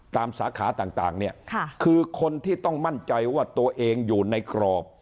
สาขาต่างเนี่ยคือคนที่ต้องมั่นใจว่าตัวเองอยู่ในกรอบ